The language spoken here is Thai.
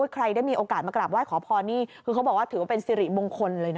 ใครได้มีโอกาสมากราบไห้ขอพรนี่คือเขาบอกว่าถือว่าเป็นสิริมงคลเลยนะ